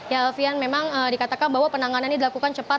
ya alvian memang dikatakan bahwa penanganan ini dilakukan cepat